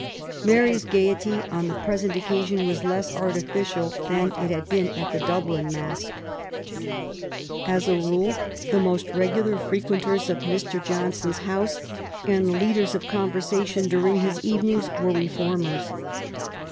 Mary's gaiety on the present occasion was less artificial than it had been at the Dublin mask. As a rule, the most regular frequenters of Mr. Johnson's house, and the leaders of conversation during his evenings, were Reformers.